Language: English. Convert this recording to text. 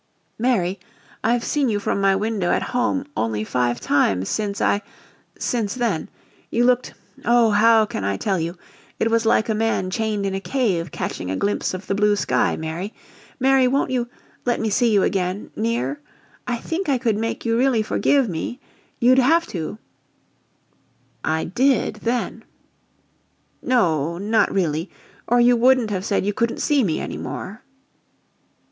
"Mary I've seen you from my window at home only five times since I since then. You looked oh, how can I tell you? It was like a man chained in a cave catching a glimpse of the blue sky, Mary. Mary, won't you let me see you again near? I think I could make you really forgive me you'd have to " "I DID then." "No not really or you wouldn't have said you couldn't see me any more."